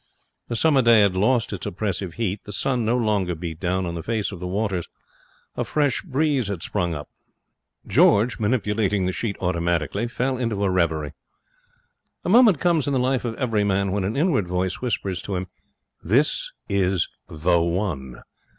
The summer day had lost its oppressive heat. The sun no longer beat down on the face of the waters. A fresh breeze had sprung up. George, manipulating the sheet automatically, fell into a reverie. A moment comes in the life of every man when an inward voice whispers to him, 'This is The One!'